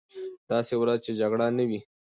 داسې ورځ چې جګړه نه وي.